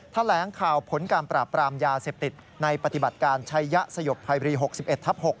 แถลงข่าวผลการปราบปรามยาเสพติดในปฏิบัติการชัยยะสยบภัยบรี๖๑ทับ๖